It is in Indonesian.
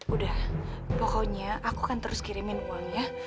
udah pokoknya aku kan terus kirimin uangnya